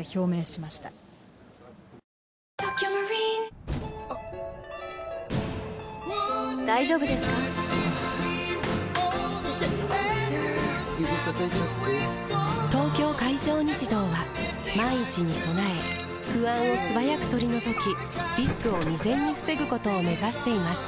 指たたいちゃって・・・「東京海上日動」は万一に備え不安を素早く取り除きリスクを未然に防ぐことを目指しています